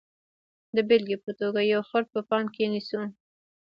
د بېلګې په توګه یو فرد په پام کې نیسو.